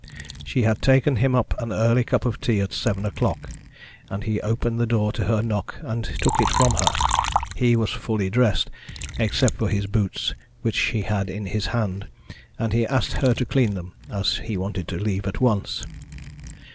She had taken him up an early cup of tea at seven o'clock, and he opened the door to her knock, and took it from her. He was fully dressed, except for his boots, which he had in his hand, and he asked her to clean them, as he wanted to leave at once.